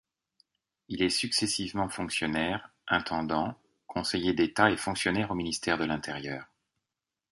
Il est successivement fonctionnaire, intendant, conseiller d'État et fonctionnaire au ministère de l'Intérieur.